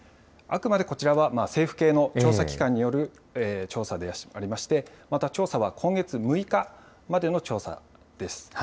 あくまでこちらは政府系の調査機関による調査でありまして、また調査は、今月６日までの調査です。